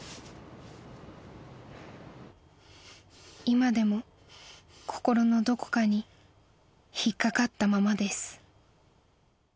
［今でも心のどこかに引っ掛かったままです］